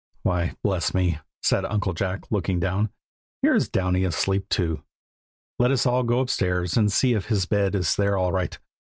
"Why! bless me!" said Uncle Jack, looking down. "Here is Downy asleep too. Let us go upstairs and see if his bed is there all right.